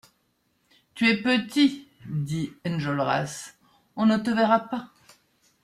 Tu es petit, dit Enjolras, on ne te verra pas.